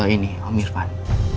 ini om irfan